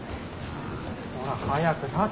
ほら早く立て。